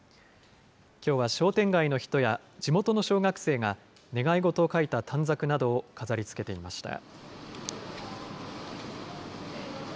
きょうは商店街の人や、地元の小学生が願い事を書いた短冊などを飾りつけていました。